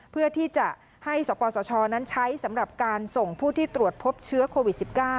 เพื่อที่จะให้สปสชนั้นใช้สำหรับการส่งผู้ที่ตรวจพบเชื้อโควิด๑๙